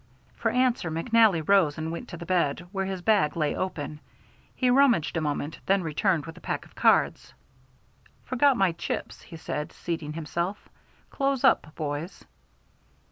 For answer McNally rose and went to the bed, where his bag lay open. He rummaged a moment, then returned with a pack of cards. "Forgot my chips," he said, seating himself. "Close up, boys."